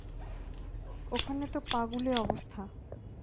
ওখানে তো পাগুলে অবস্থা।